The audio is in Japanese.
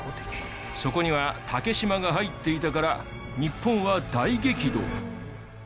そこには竹島が入っていたから日本は大激怒。